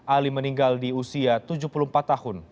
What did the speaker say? ali meninggal di usia tujuh puluh empat tahun